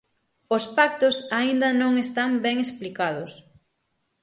_Os pactos aínda non están ben explicados.